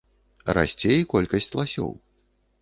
Расце і колькасць ласёў.